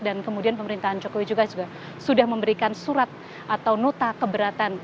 dan kemudian pemerintahan joko wijeka juga sudah memberikan surat atau nota keberatan